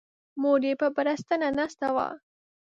مور یې په بړستنه ناسته وه.